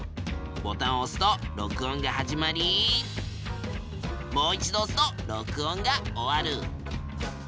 ボタンをおすと録音が始まりもう一度おすと録音が終わる。